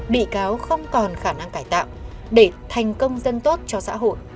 bị cáo không còn khả năng cải tạo để thành công dân tốt cho xã hội